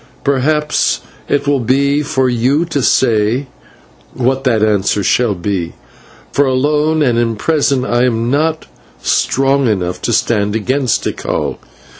Perhaps it will be for you to say what the answer shall be, for alone and in prison I am not strong enough to stand against Tikal.